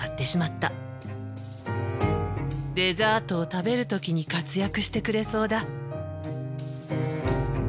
デザートを食べる時に活躍してくれそうだ。